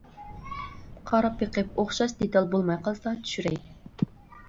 قاراپ بېقىپ ئوخشاش دېتال بولماي قالسا چۈشۈرەي.